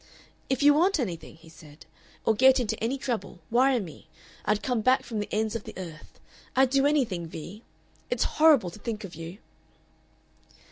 "If you want anything," he said, "or get into any trouble, wire me. I'd come back from the ends of the earth. I'd do anything, Vee. It's horrible to think of you!"